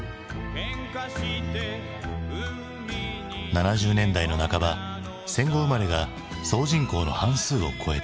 ７０年代の半ば戦後生まれが総人口の半数を超えた。